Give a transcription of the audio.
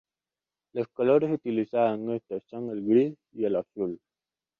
Los colores utilizados en este son el gris y el azul.